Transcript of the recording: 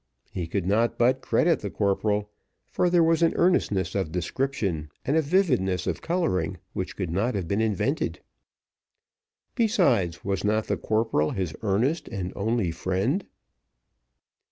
He could not but credit the corporal, for there was an earnestness of description, and a vividness of colouring, which could not have been invented; besides, was not the corporal his earnest and only friend?